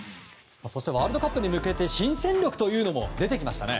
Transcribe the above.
ワールドカップに向けて新戦力も出てきましたね。